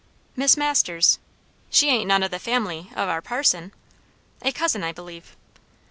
"Miss Masters." "She ain't none o' the family o' our parson?" "A cousin, I believe."